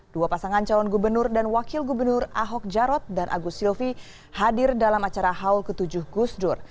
dua pasangan calon gubernur dan wakil gubernur ahok jarot dan agus silvi hadir dalam acara haul ke tujuh gusdur